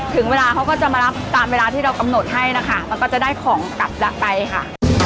ถึงเวลาเขาก็จะมารับตามเวลาที่เรากำหนดให้นะคะแล้วก็จะได้ของกลับไปค่ะ